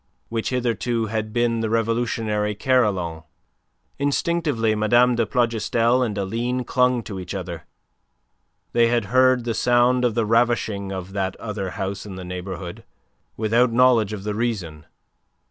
which hitherto had been the revolutionary carillon. Instinctively Mme. de Plougastel and Aline clung to each other. They had heard the sound of the ravishing of that other house in the neighbourhood, without knowledge of the reason.